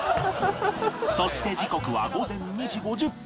そして時刻は午前２時５０分